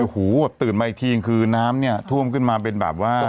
หูตื่นมาอีกทียังคือน้ำท่วมขึ้นมาเป็นแบบว่า